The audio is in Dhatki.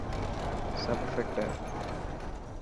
سب فٽ هي.